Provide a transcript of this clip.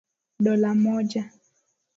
dola moja